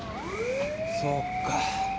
そうか。